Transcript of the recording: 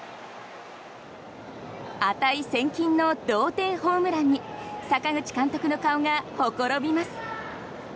値千金の同点ホームランに阪口監督の顔がほころびます。